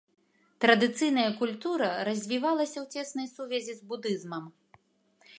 Традыцыйная культура развівалася ў цеснай сувязі з будызмам.